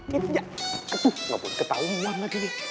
ketahuan lagi bisa gawat ketahuan jangan dimakan om kuih